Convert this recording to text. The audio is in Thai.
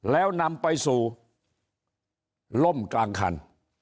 แล้วนำไปสู่ล่มกลางคัน